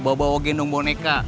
bawa bawa gendong boneka